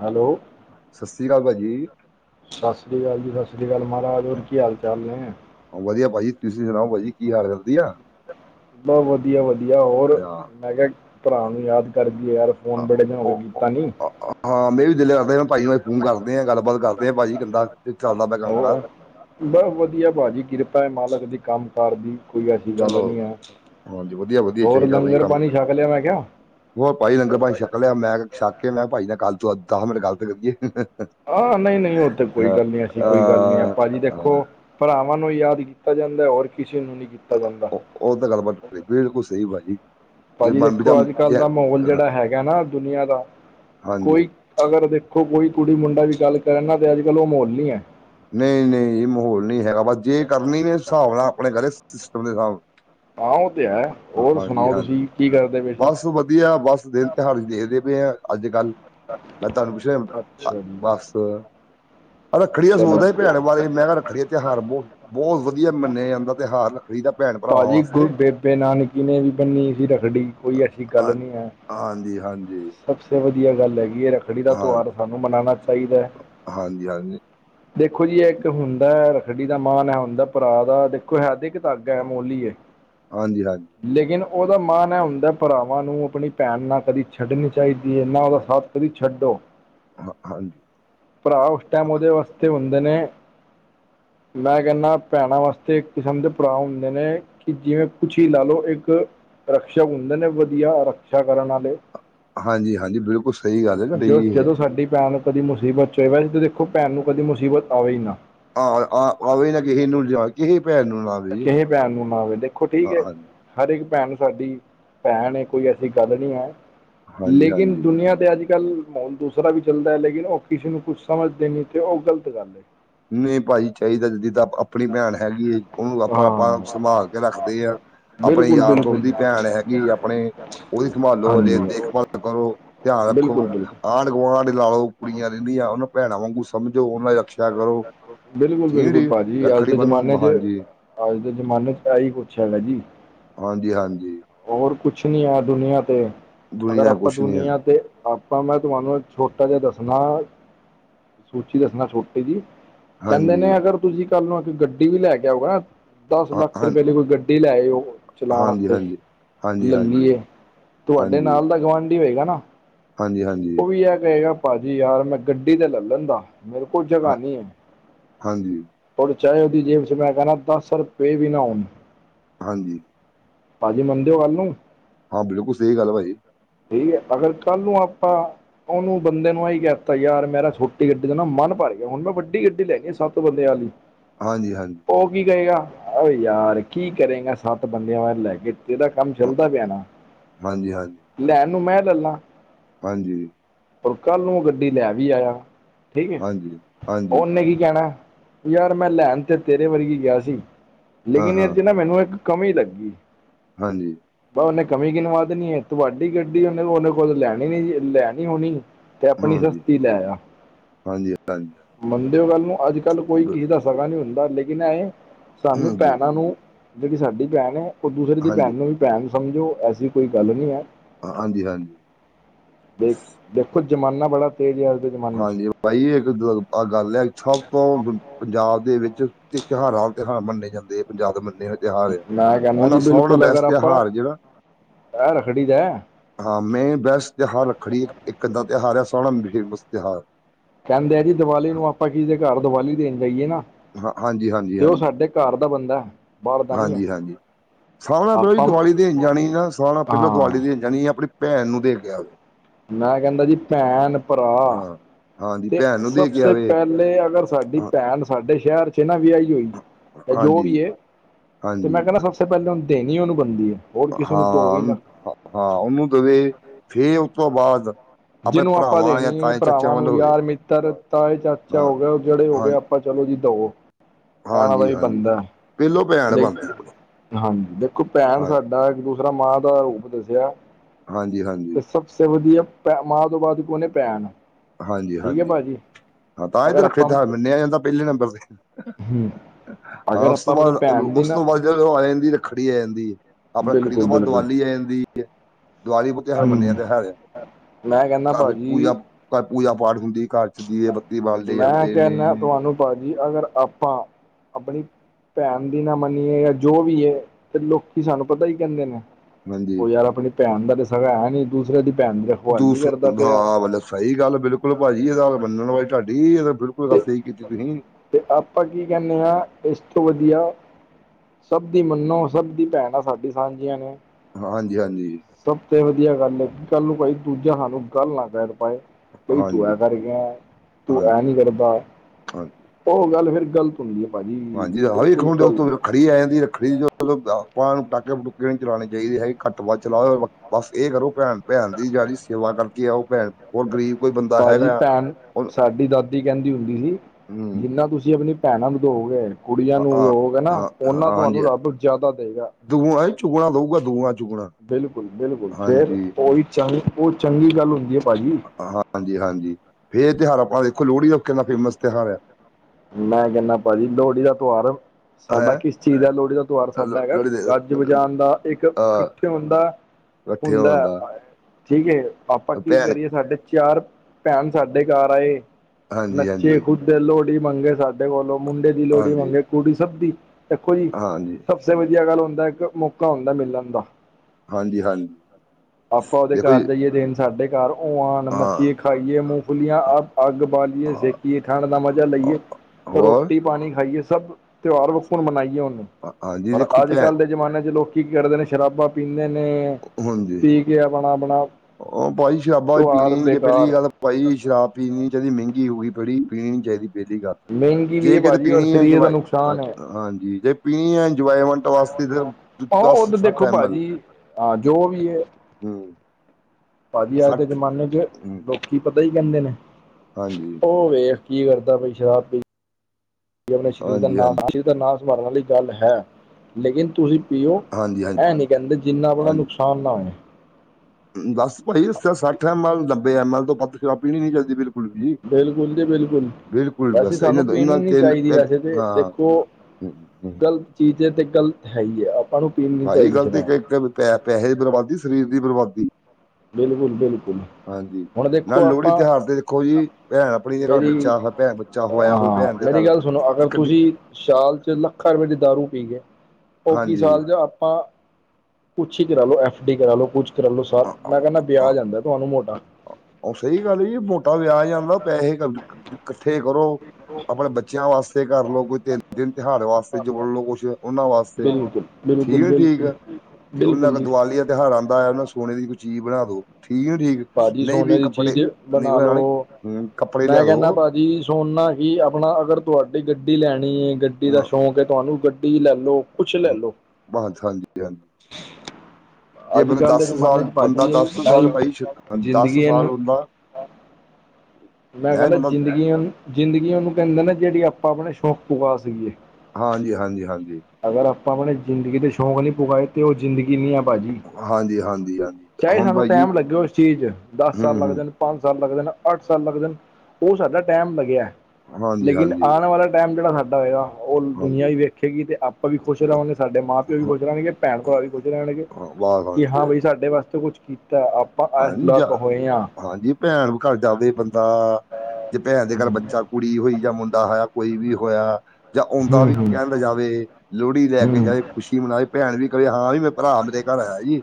Hello. ਸਤਿ ਸ਼੍ਰੀ ਅਕਾਲ ਭਾਜੀ। ਸਤਿ ਸ਼੍ਰੀ ਅਕਾਲ ਜੀ ਸਤਿ ਸ਼੍ਰੀ ਅਕਾਲ ਮਹਾਰਾਜ ਹੋਰ ਕੀ ਹਾਲ ਚਾਲ ਨੇ। ਵਧੀਆ ਭਾਜੀ ਤੁਸੀਂ ਸੁਣਾਓ ਭਾਜੀ ਕੀ ਹਾਲ ਚਾਲ ਵਧੀਆ ਬਹੁਤ ਵਧੀਆ-ਵਧੀਆ ਹੋਰ ਹਾਂ ਮੈਂ ਕਿਹਾ ਭਰਾ ਨੂੰ ਯਾਦ ਕਰਦੀ ਯਾਰ। ਫੋਨ ਬੜੇ ਦਿਨ ਹੋ ਗਏ ਉਹ- ਕੀਤਾ ਨੀ। ਹਾਂ ਮੈਂ ਵੀ ਦਿਲ ਕਰਦੇ ਆ ਭਾਜੀ ਨੂੰ ਫੋਨ ਕਰਦੇ ਆ ਗੱਲਬਾਤ ਕਰਦੇ ਆ ਭਾਜੀ ਕਿੱਦਾ ਚੱਲਦਾ ਪਿਆ ਕੰਮ ਕਾਰ ਬਸ ਵਧੀਆ ਭਾਜੀ ਕਿਰਪਾ ਐ ਮਾਲਕ ਦੀ ਕੰਮ ਕਾਰ ਦੀ। ਕੋਈ ਐਸੀ ਚਲੋ ਗੱਲ ਨੀ ਆ ਹਾਂਜੀ ਵਧੀਆ ਵਧੀਆ ਹੋਰ ਚਾਹੀਦਾ ਭਾਈ ਲੰਗਰ ਕੰਮ ਪਾਣੀ ਛਕ ਲਿਆ ਮੈਂ ਕਿਹਾ ਹੋਰ ਭਾਈ ਲੰਗਰ ਭਾਾਈ ਛੱਕ ਲਿਆ। ਮੈਂ ਛੱਕ ਕੇ ਮੈਂ ਕਿਹਾ ਭਾਈ ਨਾ ਕੱਲ ਤ ਦਸ ਮਿੰਟ ਗੱਲ ਤਾਂ ਕਰੀਏ ਆਹ ਨਹੀਂ-ਨਹੀਂ ਉਹ ਤੇ ਕੋਈ ਹਾਂ, ਗੱਲ ਨਹੀਂ ਆ ਐਸੀ ਕੋਈ ਗੱਲ ਨਹੀ ਆ ਅਹ, ਭਾਜੀ ਦੇਖੋ ਅਹ, ਭਰਾਵਾਂ ਨੂੰ ਯਾਦ ਕੀਤਾ ਜਾਂਦਾ ਹੋਰ ਕਿਸੇ ਨੂੰ ਨਹੀਂ ਕੀਤਾ ਜਾਂਦਾ। ਉਹ ਉਹ ਤਾਂ ਗੱਲਬਾਤ ਬਿਲਕੁਲ ਸਹੀ ਭਾਜੀ। ਜੇ ਭਾਜੀ ਮਨ ਵਿਚਾਰ ਦੇਖੋ ਅੱਜ ਕੱਲ੍ਹ ਜੇ- ਦਾ ਮਾਹੌਲ ਹਾਂ- ਜਿਹੜਾ ਹੈਗਾ ਨਾ। ਦੁਨੀਆਂ ਦਾ ਕੋਈ ਹਾਂਜੀ ਅਗਰ ਦੇਖੋ ਕੋਈ ਕੁੜੀ ਮੁੰਡਾ ਦੀ ਗੱਲ ਕਰਨ ਨਾ ਤੇ ਅੱਜ ਕੱਲ੍ਹ ਓ ਮਾਹੋਲ ਨੀ ਐ। ਨਹੀਂ-ਨਹੀਂ ਇਹ ਮਾਹੌਲ ਨਹੀਂ ਹੈਗਾ। ਬਸ ਜੇ ਕਰਨੀ ਹਿਸਾਬ ਨਾਲ ਆਪਣੇ ਕਰੇ ਸਿਸਟਮ ਦੇ ਹਿਸਾਬ ਹਾਂ, ਉਹ ਤੇ ਹੈ। ਹੋਰ ਹਾਂਜੀ ਸੁਣਾਓ ਹਾਂਜੀ ਤੁਸੀਂ ਕੀ ਕਰ ਬਸ ਵਧੀਆ ਬਸ ਦਿਨ ਤਿਹਾੜ ਦੇਖ ਦੇ ਪਏ ਆ ਅੱਜ-ਕੱਲ੍ਹ ਮੈਂ ਤੁਹਾਨੂੰ ਪੁੱਛ ਰਿਹਾ ਅੱਛਾ ਜੀ ਬਸ ਰੱਖੜੀ ਆ ਚਲੋ ਸੋਚਦਾ ਸੀ ਭੈਣ ਬਾਰੇ ਮੈਂ ਕਿਹਾ ਰੱਖੜੀ ਤਿਉਹਰ ਬਹੁਤ ਬਹੁਤ ਵਧੀਆ ਮੰਨਿਆ ਜਾਂਦਾ ਤਿਉਹਾਰ ਰੱਖੜੀ ਦਾ ਭੈਣ ਭਰਾਵਾਂ ਵਾਸਤੇ। ਬੇ ਨਾਨਕੀ ਨੇ ਵੀ ਬੰਨੀ ਸੀ ਰੱਖੜੀ ਕੋਈ ਐਸੀ ਹਾਂ ਗੱਲ ਨੀ ਹੈ। ਹਾਂਜੀ ਹਾਂਜੀ ਸਭਸੇ ਵਧੀਆ ਗੱਲ ਹੈਗੀ ਹੈ। ਰੱਖੜੀ ਦਾ ਹਾਂ ਤਿਉਹਾਰ ਸਾਨੂੰ ਮਨਾਉਣਾ ਚਾਹੀਦਾ। ਹਾਂਜੀ ਹਾਂਜੀ। ਦੇਖੋ ਜੀ ਇਹ ਇੱਕ ਹੁੰਦਾ ਰੱਖੜੀ ਦਾ ਮਾਨ ਹੈ ਹੁੰਦਾ ਭਰਾ ਦਾ ਦੇਖੋ ਹੈਦ ਇੱਕ ਤ ਧਾਗਾ ਹੈ ਮੋਲੀ ਹੈ। [unintelligible] ਹਾਂਜੀ-ਹਾਂਜੀ। ਲੇਕਿਨ ਉਹਦਾ ਮਾਣ ਹੈ ਹੁੰਦਾ ਭਰਾਵਾਂ ਨੂੰ ਆਪਣੀ ਭੈਣ ਨਾਲ ਕਦੀ ਛੱਡਣੀ ਚਾਹੀਦੀ ਹੈ। ਨਾ ਉਹਦਾ ਸਾਥ ਕਦੀ ਛੱਡੋ। ਹਾਂ ਹਾਂਜੀ। ਭਰਾ ਊਸ਼ ਟੈਮ ਉੱਧੇ ਵਸਤੇ ਹੁੰਦੇ ਨੇ। ਮੈਂ ਕਹਿੰਦਾ ਭੈਣਾਂ ਵਾਸਤੇ ਇੱਕ ਕਿਸਮ ਦੇ ਭਰਾ ਹੁੰਦੇ ਨੇ ਕਿ ਜਿਵੇਂ ਕੁਛ ਹੀ ਲਾ ਲਓ ਇੱਕ ਰਕਸ਼ਕ ਹੁੰਦੇ ਨੇ ਵਧੀਆ ਰਕਸ਼ਕ ਕਰਨ ਵਾਲੇ। ਹਾਂਜੀ ਹਾਂਜੀ ਬਿਲਕੁਲ ਸਹੀ ਗੱਲ ਹੈ ਤੁਹਾਡੀ ਜੀ ਇਹ। ਵੱਡੀ ਭੈਣ ਕਦੀ ਮੁਸੀਬਤ ਚ ਹੋ ਵੈਸੇ ਤਾਂ ਦੇਖੋ ਭੈਣ ਨੂੰ ਕਦੀ ਮੁਸੀਬਤ ਆਵੇ ਨਾ। ਆਹ ਆਵੇ ਨਾ ਕਿਸੇ ਨੂੰ ਕਿਹਦੀ ਭੈਣ ਨੂੰ ਨਾ ਆਵੇ ਕਿਸੇ ਭੈਣ ਨੂੰ ਨਾ ਦੇਖੋ ਠੀਕ ਹਾਂ ਹੈ। ਹਾਂਜੀ ਹਰ ਇੱਕ ਭੈਣ ਸਾਡੀ ਭੈਣ ਕੋਈ ਐਸੀ ਗੱਲ ਨੀ ਹੈ। ਹਾਂਜੀ ਲੇਕਿਨ ਹਾਂਜੀ ਦੁਨੀਆਂ ਤੇ ਅੱਜ ਕੱਲ ਗੱਲ ਹਣ ਦੂਸਰਾ ਵੀ ਚੱਲਦਾ ਹੈ ਲੇਕਿਨ ਉਹ ਕਿਸੇ ਨੂੰ ਕੁਛ ਸਮਝਦੇ ਨਾ ਤੇ ਉਹ ਗ਼ਲਤ ਗੱਲ ਹੈ। ਨਹੀਂ ਭਾਜੀ ਚਾਹੀਦਾ ਜਿੱਦ ਤਾਂ ਆਪਣੀ ਭੈਣ ਹੈਗੀ ਹੈ। ਉਹਨੂੰ ਆਪਾਂ-ਆਪਾਂ ਹਾਂ ਸੰਭਾਲ ਕੇ ਰੱਖਦੇ ਹਾਂ। ਆਪਣੇ ਬਿਲਕੁਲ ਯਾਰ ਦੋਸਤ ਦੀ ਭੈਣ ਹੈਗੀ। ਆਪਣੇ ਬਿਲਕੁਲ ਉਹਦੀ ਸੰਭਾਲੋ ਹਾਂਜੀ ਦੇਖਭਾਲ ਕਰੋ ਧਿਆਨ ਬਿਲਕੁਲ ਬਿਲਕੁਲ ਰੱਖੋ। ਆਂਢ ਗੁਆਂਢ ਲਾੋ ਕੁੜੀਆਂ ਰਹਿੰਦੀਆਂ ਉਹਨਾਂ ਭੈਣਾਂ ਵਾਂਗੂ ਸਮਝੋ। ਉਹਨਾਂ ਦੀ ਰਕਸ਼ਿਆ ਕਰੋ। ਠੀਕ ਬਿਲਕੁਲ-ਬਿਲਕੁਲ ਜੀ ਭਾਜੀ ਅੱਜ ਰੱਖੜੀ ਦੇ ਬੰਨੋ ਜ਼ਮਾਨੇ ਚ ਹਾਂਜੀ ਅੱਜ ਦੇ ਜਮਾਨੇ ਚ ਤਾਂ ਹੀ ਕੁੱਛ ਹੈਗਾ ਜੀ। ਹਾਂਜੀ-ਹਾਂਜੀ। ਹੋਰ ਕੁਛ ਨੀ ਹੈ ਦੁਨੀਆਂ ਤੇ। ਅਗਰ ਦੁਨੀਆਂ ਆਪਾਂ ਕੁਛ ਨੀ ਆ ਦੁਨੀਆਂ ਤੇ ਆਪਾਂ ਮੈਂ ਤੁਹਾਨੂੰ ਛੋਟਾ ਜਿਹਾ ਦੱਸਣਾ। ਤੁਸੀਂ ਦੱਸਣਾ ਛੋਟੀ ਜੀ ਕਹਿੰਦੇ ਨੇ ਹਾਂਜੀ ਅਗਰ ਤੁਸੀਂ ਕੱਲ ਨੂੰ ਗੱਡੀ ਵੀ ਲੈ ਕੇ ਆਓਗੇ ਨਾ ਦਸ ਹਾਂ ਲੱਖ ਹਾਂ ਰੁਪਏ ਦੀ ਕੋਈ ਗੱਡੀ ਲੈਓ। ਚਲਾਉਣ ਹਾਂਜੀ ਵਾਸਤੇ ਹਾਂਜੀ ਹਾਂਜੀ ਹਾਂਜੀ ਲੀਏ ਤੁਹਾਡੇ ਨਾਲ ਦਾ ਗੁਵਢੀ ਹੋਏਗਾ ਨਾ ਹਾਂਜੀ-ਹਾਂਜੀ। ਉਹ ਕਹੇਗਾ ਭਾਜੀ ਯਾਰ ਮੈਂ ਗੱਡੀ ਤੇ ਲੈ ਲੈਂਦਾ ਮੇਰੇ ਕੋਲ ਜਗਾ ਹਾਂ ਨੀ ਹੈ। ਹਾਂਜੀ ਚਾਹੇ ਉਹਦੀ ਜੇਬ ਚ ਮੈਂ ਕਹਿਣਾ ਦੱਸ ਰੁਪਏ ਵੀ ਨਾ ਹੋਉਣ ਹਾਂਜੀ। ਭਾਜੀ ਮੰਨਦੇ ਹੋ ਗੱਲ ਨੂੰ ਹਾਂ ਬਿਲਕੁਲ ਸਹੀ ਗੱਲ ਭਾਜੀ। ਠੀਕ ਹੈ ਅਗਰ ਕੱਲ੍ਹ ਨੂੰ ਆਪਾਂ ਉਹਨੂੰ ਬੰਦੇ ਨੂੰ ਆਹੀ ਕਹਿ ਦਿੱਤਾ ਯਾਰ ਮੇਰਾ ਛੋਟੀ ਗੱਡੀ ਦਾ ਨਾ ਮਨ ਭਰ ਗਿਆ ਹੁਣ ਮੈਂ ਵੱਡੀ ਗੱਡੀ ਲੈਣੁ ਸੱਤ ਵਡਿਆ ਹਾਂਜੀ ਹਾਂਜੀ। ਉਹ ਕੀ ਕਹੇਗਾ ਉਹ ਯਾਰ ਕੀ ਕਰੇਗਾ ਸੱਤ ਬੰਦਿਆਂ ਵ ਲੈ ਕੇ ਇਹਦਾ ਕੰਮ ਚੱਲਦਾ ਪਿਆਣਾ। ਹਾਂਜੀ ਹਾਂਜੀ। ਲੈਣ ਨੂੰ ਮੈਂ ਲੱਲਾ ਹਾਂਜੀ। ਕੱਲ ਨੂੰ ਗੱਡੀ ਲੈ ਵੀ ਆਇਆ ਠੀਕ ਹੈ ਹਾਂਜੀ, ਹਾਂਜੀ, ਨੇ ਕੀ ਕਹਿਣਾ ਯਾਰ ਮੈਂ ਲੈਣ ਤੇ ਤੇਰੇ ਵਰਗੀ ਗਿਆ ਸੀ ਲੇਕਿਨ ਇਹ ਹਾਂ-ਹਾਂ, ਚ ਨਾ ਮੈਨੂੰ ਇੱਕ ਕਮੀ ਲੱਗੀ। ਹਾਂਜੀ। ਉਹਨੇ ਕਮੀ ਗਿਨਵਾ ਦੇਣੀ ਹੈ ਤੁਹਾਡੀ ਗੱਡੀ ਉਹਨੇ ਉਹਨੇ ਕੋਲ ਲੈਣੀ ਨੀ ਹੋਣੀ। ਤੇ ਆਪਣੀ ਹਾਂਜੀ, ਸਸਤੀ ਲੈ ਆ ਹਾਂਜੀ, ਹਾਂਜੀ, ਹਾਂਜੀ, ਮੰਨਦੇ ਓ ਗੱਲ ਨੂੰ ਅੱਜ ਕੱਲ ਕੋਈ ਬ- ਕੀ ਦੱਸ ਪਤਾ ਨੀ ਹੁੰਦਾ ਲੇਕਿਨ ਇਹ ਜੀ ਸਾਨੂੰ ਹਾਂਜੀ, ਭੈਣਾਂ ਨੂੰ ਜਿਹੜੀ ਸਾਡੀ ਭੈਣ ਹੈ। ਉਹ ਦੂਸਰੇ ਦੀ ਭੈਣ ਨੂੰ ਵੀ ਭੈਣ ਸਮਝੋ ਐਸੀ ਕੋਈ ਗੱਲ ਨਹੀਂ ਹੈ। ਹਾ ਹਾਂਜੀ ਹਾਂਜੀ। ਦੇਖ ਦੇਖੋ ਜ਼ਮਾਨਾ ਬੜਾ ਤੇਜ਼ ਆ ਅੱਜ ਦੇ ਜਮਾਨੇ ਚ। ਹਾਂਜੀ ਭਾਈ ਇੱਕ ਗੱਲ ਹੈ ਸਭ ਤੋਂ ਪੰਜਾਬ ਦੇ ਵਿੱਚ ਤੇ ਤਿਉਹਾਰ ਤਿਹਾਰ ਮੰਨੇ ਜਾਂਦੇ ਪੰਜਾਬ ਦੇ ਮੰਨੇ ਤਿਉਹਾਰ ਆ ਮੈਂ ਕਹਿੰਦਾ ਜੀ ਉਹਨਾਂ ਸਭ ਨਾਲ ਬਿਲਕੁਲ ਅਗਰ ਬੈਸਟ ਆਪਾਂ ਤਿਉਹਾਰ ਜਿਹੜਾ ਇਹ ਰੱਖੜੀ ਦਾ ਹਾਂ ਮੈਂ ਬੈਸਟ ਤਿਉਹਾਰ ਰੱਖੜੀ ਇੱਕ ਦਾ ਤਿਉਹਾਰ ਆ ਸੋਣਾ ਫੇਮਸ ਤਿਉਹਾਰ। ਕਹਿੰਦੇ ਆ ਜੀ ਦੀਵਾਲੀ ਨੂੰ ਆਪਾਂ ਕਿਸ ਦੇ ਘਰ ਦੀਵਾਲੀ ਦੇਣ ਜਾਈਏ ਨਾ ਹਾਂ ਹਾਂਜੀ ਹਾਂਜੀ ਤੇ ਉਹ ਹਾਂਜੀ ਸਾਡੇ ਘਰ ਦਾ ਬੰਦਾ ਹੈ ਬਾਹਰ ਦਾ ਨੀ ਹੈ। ਸਭ ਨਾ ਪਹਿਲਾਂ ਜੀ ਆਪਾਂ ਦੀਵਾਲੀ ਦੇਣ ਜਾਣੀ ਨਾ ਸਭ ਨਾ ਪਹਿਲਾਂ ਹਾਂ ਦੀਵਾਲੀ ਦੇਣ ਜਾਣੀ ਆਪਣੀ ਭੈਣ ਨੂੰ ਦੇਖਕੇ ਆਵੇ। ਮੈਂ ਕਹਿੰਦਾ ਜੀ ਭੈਣ ਭਰਾ ਹਾਂ ਹਾਂਜੀ ਤੇ ਭੈਣ ਨੂੰ ਦੇ ਕੇ ਸਭਸੇ ਆਵੇ ਪਹਿਲੇ ਅਗਰ ਸਾਡੀ ਹਾਂ ਭੈਣ ਸਾਡੇ ਸ਼ਹਿਰ ਚ ਨਾ ਵਿਆਹੀ ਹੋਈ ਤੇ ਜੋ ਹਾਂਜੀ ਵੀ ਤੇ ਮੈਂ ਹਾਂਜੀ ਕਹਿੰਣਾ ਸਭਸ ਪਹਿਲੇ ਉਹਨ ਦੇਣੀ ਉਹਨੂੰ ਬਣਦੀ ਹੈ ਹੋਰ ਕਿਸੇ ਨੂੰ ਦੋ ਹੀ ਹਾਂ ਨਾ। ਹਾਂ ਉਹਨੂੰ ਦੇਵੇ ਫੇਰ ਉਸ ਤੋਂ ਬਾਅਦ ਆਪਣੇ ਜਿਹਨੂੰ ਆਪਾਂ ਭਰਾਵਾਂ ਜਾਂ ਦੇਣੀ ਹੈ ਏ ਤਾਏ ਚਾਚਿਆਂ ਭਰਾਵਾਂ ਵੱਲ ਨੂੰ ਹੋਵੇ ਯਾਰ ਮਿੱਤਰ ਹਾਂ ਤਾਏ ਚਾਚਾ ਹਾਂ ਹੋ ਗਿਆ ਜਿਹੜੇ ਹੋ ਹਾਂ ਗਏ ਆਪਾਂ ਚਲੋ ਜੀ ਦੋ ਆਣ ਹਾਂਜੀ ਵਾਲਾ ਹਾਂਜੀ ਬੰਦਾ। ਪਹਿਲੋਂ ਭੈਣ ਬਣਦੀ ਆਪਣੀ ਹਾਂਜੀ ਦੇਖੋ ਭੈਣ ਹਾਂ ਸਾਡਾ ਇੱਕ ਦੂਸਰਾ ਮਾਂ ਦਾ ਰੂਪ ਦੱਸਿਆ ਹਾਂਜੀ ਹਾਂਜੀ। ਸਬ ਦੀਆ ਮਾਂ ਤੋਂ ਬਾਅਦ ਕੌਣ ਐ ਭੈਣ। ਹਾਂਜੀ ਠੀਕ ਹੈ ਹਾਂਜੀ ਭਾਜੀ ਹਾਂ ਤਾਂ ਹੀ ਤੇ ਅਗਰ ਰੱਖੜੀ ਆਪਾਂ ਤਿਉਹਾਰ ਮੰਨਿਆ ਜਾਂਦਾ ਪਹਿਲੇ ਨੰਬਰ ਤੇ। ਹੂੰ ਹਾਂ ਅਗਰ ਉਸ ਆਪਾਂ ਤੋਂ ਆਪਣੀ ਬਾਅਦ ਭੈਣ ਦੀ ਉਸ ਨਾ ਤੋਂ ਬਾਅਦ ਆ ਜਾਂਦੀ ਰੱਖੜੀ ਆ ਜਾਂਦੀ ਹੈ। ਆਪ ਰੱਖੜੀ ਬਿਲਕੁਲ ਤੋਂ ਬਾਅਦ ਬਿਲਕੁਲ ਦੀਵਾਲੀ ਆ ਜਾਂਦੀ ਹੈ। ਦੀਵਾਲੀ ਤਿਉਹਾਰ ਮੰਨੇ ਹੂੰ ਜਾਂਦੇ। ਮੈਂ ਕਹਿੰਦਾ ਘਰ ਵਿੱਚ ਭਾਜੀ ਪੂਜਾ ਘਰ ਪੂਜਾ ਪਾਠ ਹੁੰਦੀ। ਘਰ ਚ ਦੀਏ ਬੱਤੀ ਬਾਲੇ ਮੈਂ ਜਾਂਦੇ ਨੇ। ਕਹਿਣਾ ਤੁਹਾਨੂੰ ਭਾਜੀ ਅਗਰ ਆਪਾਂ ਆਪਣੀ ਭੈਣ ਦੀ ਨਾ ਮੰਨੀਏ ਜਾਂ ਜੋ ਵੀ ਹੈ ਤੇ ਲੋਕੀ ਸਾਨੂੰ ਪਤਾ ਹੀ ਕਹਿੰਦੇ ਨੇ। ਉਹ ਹਾਂਜੀ ਯਾਰ ਆਪਣੀ ਭੈਣ ਦਾ ਤਾਂ ਸਗਾ ਹੈ ਨੀ ਦੂਸਰੇ ਦੀ ਭੈਣ ਦੀ ਰੱਖੜੀ ਦੂਸ ਹਾਂ ਮਤਲਬ ਸਹੀ ਗੱਲ ਬਿਲਕੁਲ ਭਾਜੀ ਇਹਦਾ ਮੰਨਣ ਵਾਲੀ ਤੁਹਾਡੀ ਇਹਦਾ ਬਿਲਕੁਲ। ਕੋਈ ਗੱਲ ਤੇ ਸਹੀ ਕੀਤੀ ਤੁਸੀਂ। ਤੇ ਆਪਾਂ ਕੀ ਕਹਿੰਦੇ ਹਾਂ ਇਸ ਤੋਂ ਵਧੀਆ ਸਭ ਦੀ ਮੰਨੋ ਸਭ ਦੀ ਭੈਣਾਂ ਸਾਡੀ ਸਾਂਝੀਆਂ ਨੇ। ਹਾਂਜੀ ਹਾਂਜੀ। ਸਭ ਤੇ ਵਧੀਆ ਗੱਲ ਹੈ ਕਿ ਕੱਲ ਨੂੰ ਕੋਈ ਦੂਜਾ ਸਾਨੂੰ ਗੱਲ ਨਾ ਕਹਿ ਪਾਏ। ਬਈ ਤੂੰ ਐਂ ਹਾਂਜੀ ਕਰਕੇ ਤੂੰ ਐ ਹਾਂਜੀ ਨਹੀਂ ਕਰਦਾ ਹਾਂਜੀ ਉਹ ਗੱਲ ਫਿਰ ਗਲਤ ਹੁੰਦੀ ਹੈ ਭਾਜੀ। ਹਾਂਜੀ ਆਾਹ ਬਿਲਕੁਲ ਵੀਖਾਡ ਡ ਗ਼ਲਤ ਉ ਰੱਖੜੀ ਆ ਜਾਂਦੀ ਰੱਖੜੀ ਦੀ ਚ ਪਾਣੀ ਨੂੰ ਪਟਾਕੇ ਪਟੂਕੇ ਨੀ ਚਲਾਉਣੇ ਚਾਹੀਦੀ ਹੈਗੀ ਘੱਟ ਵੱਧ ਚਲਾ। ਬਸ ਇਹ ਕਰੋ ਭੈਣ ਭੈਣ ਦੀ ਜੜੀ ਸੇਵਾ ਕਰਕੇ ਆ ਉਹ ਭੈਣ ਕੋਲ ਗਰੀਬ ਕੋਈ ਬੰਦਾ ਭਾਜੀ ਹੈਗਾ ਭੈਣ ਉਹ ਸਾਡੀ ਦਾਦੀ ਕਹਿੰਦੀ ਹੁੰਦੀ ਸੀ ਹੂੰ ਜਿੰਨਾ ਤੁਸੀਂ ਆਪਣੀ ਭੈਣਾਂ ਨੂੰ ਦੋਗੇ ਕੁੜੀਆਂ ਹਾਂ ਨੂੰ ਹਾਂ ਦੋਗੇ ਨਾ ਉਹਨਾਂ ਤੁਹਾਨੂੰ ਰੱਬ ਜ਼ਿਆਦਾ ਦੇਵੇਗਾ। ਦੂ ਇਹ ਚੁਗਣਾ ਦਊਗਾ ਦੂਆਂ ਚੁਗਣਾ। ਬਿਲਕੁਲ ਬਿਲਕੁਲ ਫੇਰ ਹਾਂਜੀ ਉਹੀ ਚੰ ਉਹ ਚੰਗੀ ਗੱਲ ਹੁੰਦੀ ਹੈ ਭਾਜੀ। ਹਾਂਜੀ ਹਾਂਜੀ ਫੇਰ ਤਿਉਹਾਰ ਆਪਾਂ ਦੇਖੋ ਲੋਹੜੀ ਦਾ ਕਿੰਨਾ ਫੇਮਸ ਤਿਉਹਾਰ ਹੈ। ਮੈਂ ਕਹਿੰਦਾ ਭਾਜੀ ਲੋਹੜੀ ਦਾ ਤਿਉਹਾਰ ਸਾਡਾ ਹੈ ਕਿਸ ਚੀਜ਼ ਹੈ ਲੋਹੜੀ ਦਾ ਤਿਉਹਾਰ ਸਾਡਾ ਹੈਗਾ ਲੋਹੜੀ ਦੇ ਗੱਜ ਵਜਾਉਣ ਦਾ ਇੱਕ ਅਹ ਇਕੱਠੇ ਹੁੰਦਾ ਇਕੱਠੇ ਹੁੰਦਾ ਹੋਣ ਦਾ ਠੀਕ ਹੈ ਆਪਾਂ ਕੀ ਭੈਣ ਕਰੀਏ ਸਾਡੇ ਚਾਰ ਭੈਣ ਸਾਡੇ ਘਰ ਆਏ ਹਾਂਜੀ ਨੱਚੇ ਹਾਂਜੀ ਖੁਦ ਲੋਹੜੀ ਮੰਗੇ ਸਾਡੇ ਕੋਲੋਂ ਮੁੰਡੇ ਦੀ ਲੋਹੜੀ ਹਾਂਜੀ ਮੰਗੇ ਕੁੜੀ ਸਭ ਦੀ ਦੇਖੋ ਜੀ ਹਾਂਜੀ ਸਬਸੇ ਵਧੀਆ ਗੱਲ ਹੁੰਦਾ ਇੱਕ ਮੌਕਾ ਹੁੰਦਾ ਮਿਲਣ ਦਾ ਹਾਂਜੀ ਹਾਂਜੀ ਆਪਾਂ ਉਹਦੇ ਦੇਖੋ ਘਰ ਜੀ ਜਾਈਏ ਦੇਣ ਸਾਡੇ ਘਰ ਉਹ ਆਉਣ ਹਾਂ ਨੱਚੀਏ ਖਾਈਏ ਮੂੰਗਫਲੀਆਂ ਆਪ ਅੱਗ ਬਾਲੀਏ ਹਾਂ, ਸੇਕੀਏ ਖਾਣ ਦਾ ਮਜ਼ਾ ਹਾਂ, ਲਈਏ ਤਾਂ ਹੋਰ ਰੋਟੀ ਪਾਣੀ ਖਾਈਏ ਸਭ ਤਿਉਹਾਰ ਵੱਕੁਣ ਮਨਾਈਏ ਉਹਨੂੰ ਹਾਂ- ਹਾਂਜੀ ਪਰ ਦੇਖੋ ਅੱਜ ਭੈਣ ਕੱਲ੍ਹ ਦੇ ਜ਼ਮਾਨੇ ਚ ਲੋਕ ਕੀ ਕਰਦੇ ਨੇ ਸ਼ਰਾਬਾਂ ਪੀਂਦੇ ਨੇ ਹਾਂਜੀ ਪੀ ਕੇ ਆਪਣਾ ਆਪਣਾ ਤੁਹਾਰ ਬੇਕਾਰ ਭਾਈੀ ਸ਼ਰਾਬ ਪੀਣੀ ਨੀ ਚਾਹੀਦੀ ਮਹਿੰਗੀ ਹੋਊਗੀ ਬੜੀ ਪੀਣੀ ਨੀ ਚਾਹੀਦੀ ਪਹਿਲੀ ਗੱਲ ਮਹਿੰਗੀ ਵੀ ਜੇ ਹੈ ਕਿਤੇ ਭਾਜੀ ਔਰ ਪੀਣੀ ਸਰੀਰ ਦਾ ਹੈਵਾ ਨੁਕਸਾਨ ਹੈ ਹਾਂਜੀ ਜੇ ਪੀਣੀ ਹੈ ਇੰਜਵਾਏਮੈਂਟ ਵਾਸਤੇ ਤੇ ਆ ਦਸ ਉਹ ਸੱਠ ਦੇਖੋ ਐਮ ਐਲ ਭਾਜੀ ਹਾਂ ਜੋ ਵੀ ਏ ਹੂੰ ਭਾਜੀ ਅੱਜ ਦੇ ਸੱਠ ਜ਼ਮਾਨੇ ਚ ਹੂੰ ਲੋਕੀ ਪਤਾ ਹੀ ਕਹਿੰਦੇ ਨੇ ਹਾਂਜੀ ਉਹ ਵੇਖ ਕੀ ਕਰਦਾ ਬਈ ਸ਼ਰਾਬ ਪੀ ਆਪਣੇ ਸਰੀਰ ਦਾ ਹਾਂਜੀ ਹਾਂਜੀ ਨਾਸ਼ ਸਰੀਰ ਦਾ ਨਾਸ਼ ਮਾਰਣ ਵਾਲੀ ਗੱਲ ਹੈ ਲੇਕਿਨ ਤੁਸੀਂ ਪੀਓ ਹਾਂਜੀ ਹਾਂਜੀ ਐ ਨੀ ਕਹਿੰਦੇ ਜਿੰਨਾ ਆਪਣਾ ਨੁਕਸਾਨ ਨਾ ਹੋਏ ਬੱਸ ਭਾਈ ਇਸ ਸੱਠ ਐਮ ਐਲ ਨੱਬੇ ਐਮ ਐਲ ਤੋਂ ਵੱਧ ਸ਼ਰਾਬ ਪੀਣੀ ਨੀ ਚਾਹੀਦੀ ਬਿਲਕੁਲ ਵੀ ਬਿਲਕੁਲ ਜੀ ਬਿਲਕੁਲ ਬਿਲਕੁਲ ਵੈਸੇ ਬਸ ਸਾਨੂੰ ਇਹਨਾਂ ਪੀਣੀ ਇਹਨਾਂ ਨੀ ਤਿੰਨ ਚਾਹੀਦੀ ਵੈਸੇ ਤੇ ਹਾਂ ਦੇਖੋ। ਗ਼ਲਤ ਚੀਜ਼ ਹੈ ਤੇ ਗ਼ਲਤ ਹੈ ਹੀ ਹੈ ਆਪ ਬਾਈ ਗਲਤ ਇੱਕ ਇੱਕ ਪੈ ਪੈਸੇ ਦੀ ਬਰਬਾਦੀ ਸਰੀਰ ਦੀ ਬਰਬਾਦੀ ਬਿਲਕੁਲ ਬਿਲਕੁਲ ਹਾਂਜੀ ਹੁਣ ਨਾਲ ਦੇਖੋ ਲੋਹੜੀ ਆਪਾਂ ਤਿਉਹਾਰ ਤੇ ਦੇਖੋ ਜੀ ਭੈਣ ਆਪਣੀ ਜਰ ਮੇਰੀ ਬੱਚਾ ਭੈਣ ਬੱਚਾ ਹੋਇਆ ਹੋਵੇ ਭੈਣ ਹਾਂ ਦੇ ਮੇਰੀ ਘਰ ਗੱਲ ਸੁਣੋ ਤੇ ਅਗਰ ਕਦੀ ਤੁਸੀਂ ਸ਼ਾਲ ਚ ਲੱਖਾਂ ਰੁਪਏ ਦੇ ਦਾਰੂ ਪੀ ਗ ਉਹੀ ਹਾਂਜੀ ਸਾਲ ਜ ਆਪਾਂ ਕੁਛ ਹੀ ਕਰਾ ਲੋ ਐਫ ਡੀ ਕਰਾ ਲ ਲੋ ਕੁਛ ਕਰਾ ਲ ਲੋ ਸਰ ਆ- ਮੈਂ ਕਹਿੰਦਾ ਆ- ਆ- ਵਿਆਹ ਜਾਂਦਾ ਤੁਹਾਨੂੰ ਮੋਟਾ ਆ- ਉਹ ਸਹੀ ਗੱਲ ਜੀ ਮੋਟਾ ਵਿਆਹ ਜਾਂਦਾ ਪੈਸੇ ਕ ਇਕੱਠੇ ਕਰੋ ਆਪਣੇ ਬੱਚਿਆਂ ਵਾਸਤੇ ਕਰਲਓ ਕੋਈ ਤੇ ਦਿਨ ਤਿਉਹਾਰ ਵਾਸਤੇ ਜੋੜ ਲੋ ਕੁਛ ਉਹਨਾਂ ਵਾਸਤੇ ਬਿਲਕੁਲ ਠੀਕ ਬਿਲਕੁਲ ਨੀ ਠੀਕ ਬਿਲਕੁਲ ਤੇ ਉਹਨਾਂ ਬਿਲਕੁਲ ਨੂੰ ਜੀ ਦੀਵਾਲੀ ਤਿਉਹਾਰ ਆਂਦਾ ਐ ਨਾ ਸੋਨੇ ਦੀ ਕੋਈ ਚੀਜ਼ ਬਣਾ ਦੋ ਠੀਕ ਨੀ ਠੀਕ ਭਾਜੀ ਨਹੀਂ ਸੋਨੇ ਵੀ ਦੀ ਕੱਪੜੇ ਚੀਜ਼ ਨਹੀਂ ਬਣਾ ਬਣਾਣੇ ਲੋ ਹਮ, ਕੱਪੜੇ ਮੈਂ ਲਿਆ ਕਹਿੰਨਾਂ ਦੋ ਭਾ ਜੀ ਜੀ ਸੋਨਾ ਜੀ ਆਪਣਾ ਅਗਰ ਤੁਹਾਡੀ ਗੱਡੀ ਲੈਣੀ ਏ ਗੱਡੀ ਦਾ ਸ਼ੌਕ ਏ ਤੁਹਾਨੂੰ ਗੱਡੀ ਕੀ ਲੈ ਲੋ ਕੁੱਛ ਲੈ ਲੋ ਹਾਂਜੀ-ਹਾਂਜੀ [inaudible] ਅੱਜ ਕੱਲ ਦੇ ਸਾਲ ਜਮਾਨੇ 'ਚ ਬੰਦਾ ਭਾਜੀ ਦਸ ਸਾਲ ਭਾਈ ਸ਼ੈ- [unintelligible] ਦਸ ਜ਼ਿੰਦਗੀ ਸਾਲ ਏਨੂੰ ਹੁੰਦਾ ਮੈਂ ਕਹਿੰਦਾ ਜ਼ਿੰਦਗੀਆਂ ਨੂੰ ਜ਼ਿੰਦਗੀਆਂ ਨੂੰ ਕਹਿੰਦੇ ਨਾ ਜਿਹੜੀ ਆਪਾਂ ਆਪਣੇ ਸ਼ੌਕ ਪੁਗਾ ਸਕੀਏ ਹਾਂਜੀ, ਹਾਂਜੀ, ਹਾਂਜੀ ਅਗਰ ਆਪਾਂ ਆਪਣੇ ਜ਼ਿੰਦਗੀ ਦੇ ਸ਼ੌਂਕ ਨੀ ਪੁਗਾਏ ਤੇ ਉਹ ਜ਼ਿੰਦਗੀ ਨੀ ਆ ਭਾਜੀ ਹਾਂਜੀ ਹਾਂਜੀ ਹਾਂਜੀ ਚਾਹੇ ਹੁਣ ਸਾਨੂੰ ਭਾਈ ਜੀ ਟਾਈਮ ਲੱਗੇ ਉਸ ਚੀਜ਼ 'ਚ ਦਸ ਹੂੰ ਸਾਲ ਲੱਗ ਹੂੰ ਜਾਣ ਪੰਜ ਸਾਲ ਲੱਗਦੇ ਨਾ ਅੱਠ ਸਾਲ ਲੱਗਦੇ ਨ ਉਹ ਸਾਡਾ ਟਾਈਮ ਲੱਗਿਆ। ਹਾਂਜੀ ਲੇਕਿਨ ਹਾਂਜੀ ਆਂਣ ਵਾਲਾ ਟਾਈਮ ਜਿਹੜਾ ਸਾਡਾ ਹੋਏਗਾ। ਉਹ ਦੁਨੀਆਂ ਹਾਂਜੀ ਵੀ ਵੇਖੇਗੀ ਤੇ ਆਪਾਂ ਵੀ ਖੁਸ਼ ਰਵਾਂਗੇ ਸਾਡੇ ਮਾਂ ਪਿਓ ਵੀ ਹਾਂ, ਹਾਂ, ਖੁਸ਼ ਰਹਿਣਗੇ ਭੈਣ ਭਰਾ ਵੀ ਖੁਸ਼ ਰਹਿਣਗੇ ਵਾਹ ਹਾਂਜੀ ਕਿ ਹਾਂ ਹਾਂਜੀ ਬਈ ਸਾਡੇ ਵਾਸਤੇ ਕੁਛ ਕੀਤਾ ਆਪਾਂ ਏਸ ਹਾਂਜੀ ਲਾਕ ਜਾ ਹੋਏ ਆਂ। ਹਾਂਜੀ ਭੈਣ ਘਰ ਜਾਵੇ ਬੰਦਾ ਜੇ ਭੈਣ ਦੇ ਘਰ ਬੱਚਾ ਕੁੜੀ ਹੋਈ ਜਾਂ ਮੁੰਡਾ ਹੋਇਆ ਕੋਈ ਵੀ ਹੋਇਆ ਜਾਂ ਆਉਂਦਾ ਹੂੰ ਵੀ ਹੂੰ ਕਹਿੰਦਾ ਜਾਵੇ ਲੋਹੜੀ ਲੈ ਕੇ ਹੂੰ ਜਾਏ ਖੁਸ਼ੀ ਮਨਾਈ ਭੈਣ ਵੀ ਕਵੇ ਹਾਂ ਵੀ ਭਰਾ ਮੇਰੇ ਘਰ ਆਇਆ ਜੀ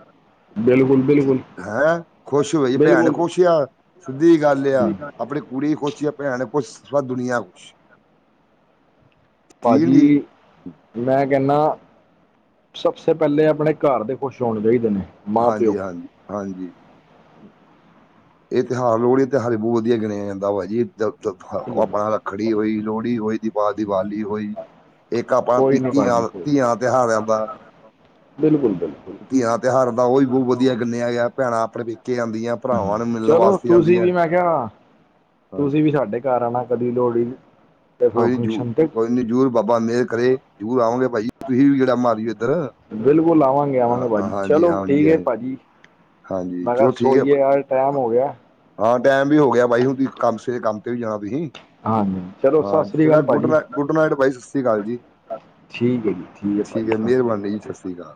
ਬਿਲਕੁਲ ਬਿਲਕੁਲ ਹੈਂ ਖੁਸ਼ ਹੋਈ ਭੈਣ ਬਿਲਕੁਲ ਖੁਸ਼ ਆ ਸਿੱਧੀ ਗੱਲ ਆ ਆਪਣੇ ਕੁੂੜੀ ਖੁਸ਼ ਭੈਣ ਖੁਸ਼ ਸਾਰੀ ਦੁਨੀਆਂ ਖੁਸ਼ ਠੀਕ ਭਾਜੀ ਜੀ ਮੈਂ ਕਹਿੰਨਾ ਸਬਸੇ ਪਹਿਲੇ ਆਪਣੇ ਘਰ ਦੇ ਖੁਸ਼ ਹੋਣੇ ਚਾਹੀਦੇ ਨੇ ਮਾਂ ਪਿਓ ਹਾਂਜੀ ਹਾਂਜੀ, ਹਾਂਜੀ ਇਹ ਤਿਉਹਾਰ ਲੋਹੜੀ ਦੇ ਤਿਉਹਾਰ ਬਹੁਤ ਵਧੀਆ ਗਿਣਿਆਂ ਜਾਂਦਾ ਭਾਜੀ [unintelligible] ਆਪਣਾ ਰੱਖੜੀ ਹੋਈ ਲੋਹੜੀ ਹੋਈ ਦੀਵਾਲੀ ਦੀਵਾਲੀ ਹੋਈ। ਇੱਕ ਆਪਾਂ ਤੀ ਕੋਈ ਨਹੀਂ ਭਾਜੀ ਤੀਆਂ-ਤੀਆਂ ਦਾ ਤਿਹਾਰ ਆਂਦਾ ਬਿਲਕੁਲ-ਬਿਲਕੁਲ ਤੀਆਂ ਦਾ ਤਿਉਹਾਰ ਦਾ ਓ ਵੀ ਬਹੁਤ ਵਧੀਆ ਗਿਨਿਆਂ ਗਿਆ ਭੈਣਾਂ ਆਪਣੇ ਪੇਕੇ ਜਾਂਦੀਆਂ। ਚਲੋ ਤੁਸੀਂ ਵੀ ਮੈਂ ਕਿਹਾ, ਹਾਂਜੀ ਤੁਸੀਂ ਵੀ ਸਾਡੇ ਘਰ ਆਣਾ ਕਦੀ ਲੋਹੜੀ ਤੇ ਕੋਈ ਨੀ ਜੂਰ ਫੰਕਸ਼ਨ ਤੇ ਕੋਈ ਨੀ ਜਰੂਰ ਬਾਬਾ ਮੇਹਰ ਕਰੇ ਜਰੂਰ ਆਵਾਂਗੇ ਭਾਈ ਤੁਹੀਂ ਵੀ ਗੇੜਾ ਮਾਰਿਓ ਇੱਧਰ ਬਿਲਕੁਲ ਹਾਂ ਆਵਾਂਗੇ-ਆਵਾਂਗੇ ਹਾਂ, ਭਾਜੀ ਹਾਂਜੀ ਚਲੋ ਹਾਂਜੀ ਠੀਕ ਐ ਹਾਂ ਭਾਜੀ, ਹਾਂਜੀ ਮੈਂ ਕਿਹਾ ਚਲੋ ਠੀਕ ਹੈ ਸੋਈਏ ਯਾਰ ਟੈਮ, ਹੋ ਗਿਆ। ਹਾਂ, ਟੈਮ ਵੀ ਹੋ ਗਿਆ ਬਾਈ ਹੁਣ ਤੁਸੀਂ ਕੰਮ ਸਵੇਰੇ ਕੰਮ ਤੇ ਵੀ ਜਾਣਾ ਤੁਸੀਂ, ਹਾਂਜੀ ਚਲੋ ਸਤਿ ਹਾਂ ਸ੍ਰੀ ਅਕਾਲ ਜਾ ਗੁੱਡ ਭਾਜੀ ਗੁੱਡ ਨਾਈਟ ਬਾਈ, ਸਤਿ ਸ਼੍ਰੀ ਅਕਾਲ ਜੀ। ਠੀਕ ਐ ਜੀ ਠੀਕ ਐ ਹੈ ਮਿਹਰਬਾਨੀ ਜੀ ਸਤਿ ਭਾਜੀ। ਸ਼੍ਰੀ ਅਕਾਲ